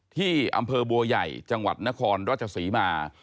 ที่อำเภอบัวใหญ่จังหวัดนครราชศรีมา